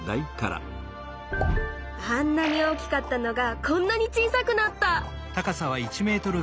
あんなに大きかったのがこんなに小さくなった！